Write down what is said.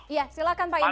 iya silahkan pak imam